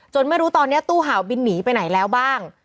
ไม่รู้ตอนนี้ตู้เห่าบินหนีไปไหนแล้วบ้าง